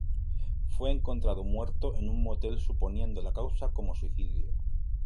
Fue encontrado muerto en un motel suponiendo la causa como suicidio.